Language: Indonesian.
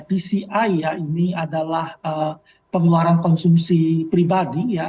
dci ya ini adalah pengeluaran konsumsi pribadi ya